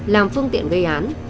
làm phương tiện gây án